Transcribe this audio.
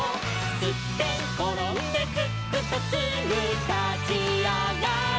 「すってんころんですっくとすぐたちあがる」